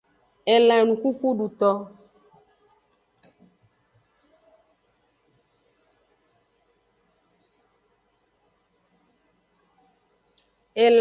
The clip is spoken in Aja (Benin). Elan enukukuduto.